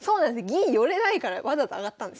銀寄れないからわざと上がったんですよ。